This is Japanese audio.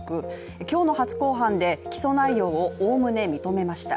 今日の初公判で、起訴内容をおおむね認めました。